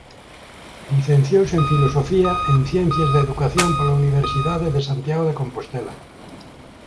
Licenciouse en Filosofía en Ciencias da Educación pola Universidade de Santiago de Compostela.